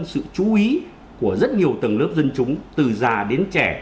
sự chú ý của rất nhiều tầng lớp dân chúng từ già đến trẻ